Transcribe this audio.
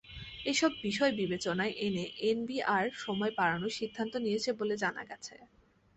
এসব বিষয় বিবেচনায় এনে এনবিআর সময় বাড়ানোর সিদ্ধান্ত নিয়েছে বলে জানা গেছে।